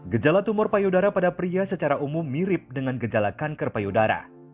gejala tumor payudara pada pria secara umum mirip dengan gejala kanker payudara